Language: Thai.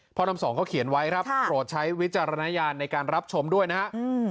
น้ำสองเขาเขียนไว้ครับโปรดใช้วิจารณญาณในการรับชมด้วยนะฮะ